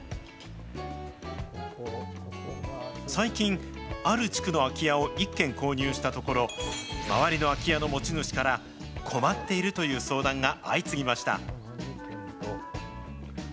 最近、ある地区の空き家を１軒購入したところ、周りの空き家の持ち主から困っているという相談が相次ぎました。